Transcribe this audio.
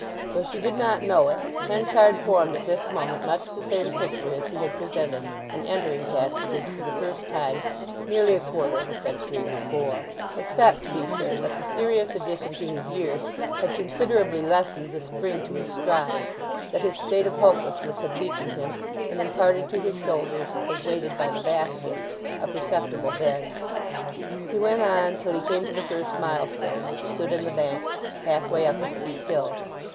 Though she did not know it Henchard formed at this moment much the same picture as he had presented when entering Casterbridge for the first time nearly a quarter of a century before; except, to be sure, that the serious addition to his years had considerably lessened the spring to his stride, that his state of hopelessness had weakened him, and imparted to his shoulders, as weighted by the basket, a perceptible bend. He went on till he came to the first milestone, which stood in the bank, half way up a steep hill.